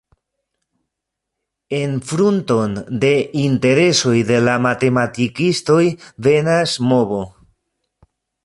En frunton de interesoj de la matematikistoj venas movo.